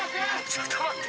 ちょっと待って。